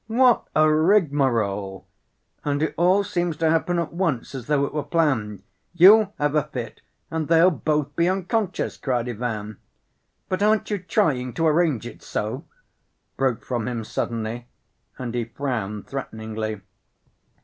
"What a rigmarole! And it all seems to happen at once, as though it were planned. You'll have a fit and they'll both be unconscious," cried Ivan. "But aren't you trying to arrange it so?" broke from him suddenly, and he frowned threateningly.